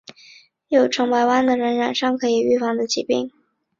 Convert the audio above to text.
有成百万的人染上可以预防的疾病。